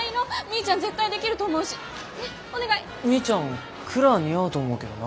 みーちゃんクラ似合うと思うけどな。